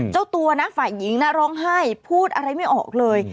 เจ้าตัวนะฝ่ายหญิงนะร้องไห้พูดอะไรไม่ออกเลย